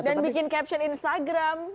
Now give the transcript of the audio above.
dan bikin caption instagram